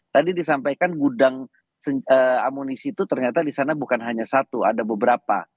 tadi disampaikan gudang amunisi itu ternyata di sana bukan hanya satu ada beberapa